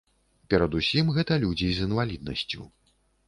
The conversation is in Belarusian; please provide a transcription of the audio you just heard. Перадусім гэта людзі з інваліднасцю.